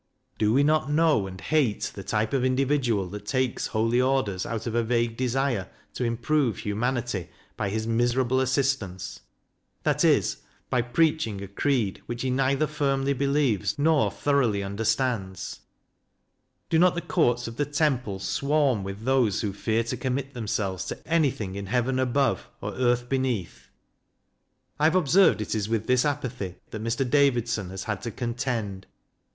Do we not know and hate the type of individual that takes Holy Orders out of a vague desire to improve humanity by his miserable assistance that is, by preaching a creed which he neither firmly believes nor thoroughly under stands? Do not the courts of the temple swarm with JOHN DAVIDSON: REALIST 205 those who fear to commit themselves to anything in heaven above or earth beneath? I have observed it is with this apathy that Mr. Davidson has had to contend.